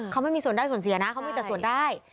เขาไม่มีส่วนได้ส่วนเสียนะเขามีแต่ส่วนได้